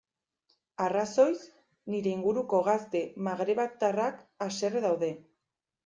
Arrazoiz, nire inguruko gazte magrebtarrak haserre daude.